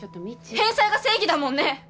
返済が正義だもんね！